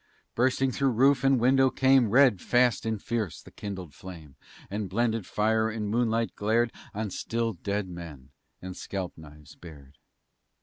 Bursting through roof and window came, Red, fast, and fierce, the kindled flame, And blended fire and moonlight glared On still dead men and scalp knives bared.